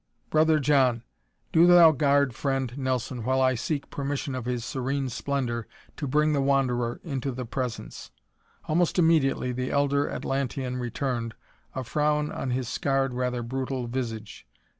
"Brother John, do thou guard Friend Nelson while I seek permission of His Serene Splendor to bring the Wanderer into the Presence." Almost immediately the elder Atlantean returned, a frown on his scarred, rather brutal visage.